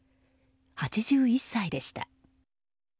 ８１歳でした。